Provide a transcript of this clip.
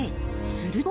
すると。